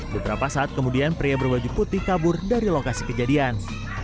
beberapa saat kemudian pria berbaju putih kabur dari lokasi kejadian